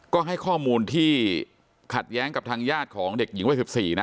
ก็ให้ข้อมูลที่ขัดแย้งกับทางญาติของเด็กหญิงวัย๑๔นะ